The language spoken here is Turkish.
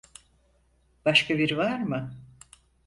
Başka biri var mı?